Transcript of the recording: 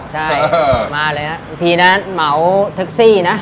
ใช่มาเลยนะทีนั้นเหมาแท็กซี่นะ